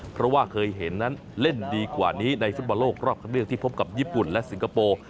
เพราะว่าเคยเห็นนั้นเล่นดีกว่านี้ในฟุตบอลโลกรอบคันเลือกที่พบกับญี่ปุ่นและสิงคโปร์